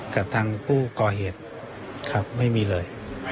กับทางผู้ก่อเหตุครับไม่มีเลย